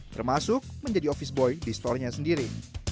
termasuk menjadi office boy di store nya sendiri